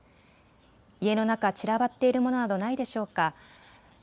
家の中、散らばっているものなどないでしょうか。